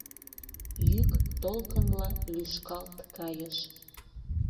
Йӱк толкынла лӱшкалт кайыш.